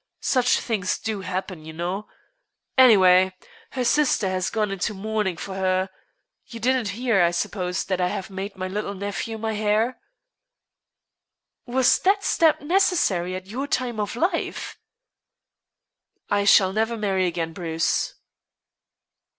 Such things do happen, you know. Anyway, her sister has gone into mourning for her. You didn't hear, I suppose, that I have made my little nephew my heir?" "Was that step necessary at your time of life?" "I shall never marry again, Bruce."